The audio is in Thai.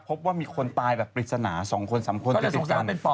พบว่ามีคนตายแบบปริศนา๒คน๓คนติดกัน